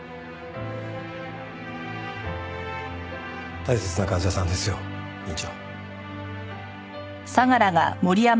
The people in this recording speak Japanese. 大切な患者さんですよ院長。